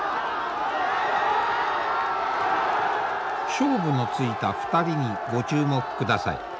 勝負のついた２人にご注目ください。